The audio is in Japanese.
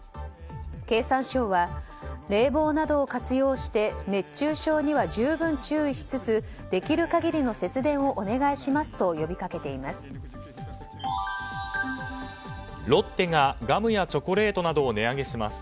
経産省は、冷房などを活用して熱中症には十分注意しつつできる限りの節電をお願いしますと呼びかけています。